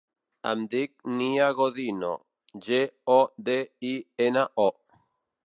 Em dic Nia Godino: ge, o, de, i, ena, o.